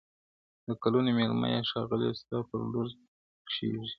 د گلونو مېلمنه یې ښاخلې ستا پر لور کږېږی -